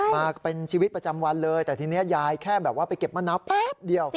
มาเป็นชีวิตประจำวันเลยแต่ทีนี้ยายแค่แบบว่าไปเก็บมะนาวแป๊บเดียว